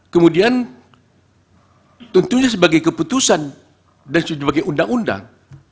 kemudian tentunya sebagai keputusan dan sebagai undang undang